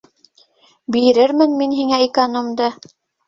Бирермен мин һиңә экономды!